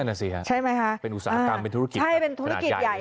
นั่นแหละสิครับเป็นอุตสาหกรรมเป็นธุรกิจขนาดใหญ่